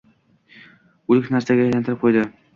o‘lik narsaga aylantirib qo‘ydi.